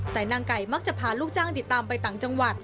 แต่นางไก่มักจะพาลูกจ้างติดตามไปต่างจังหวัด